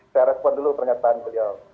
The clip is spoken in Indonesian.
saya respon dulu pernyataan beliau